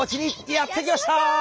やって来ました！